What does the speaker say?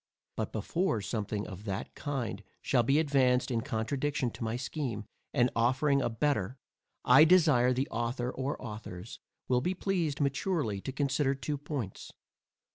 But before something of that kind shall be advanced in contradiction to my scheme, and offering a better, I desire the author or authors will be pleased maturely to consider two points.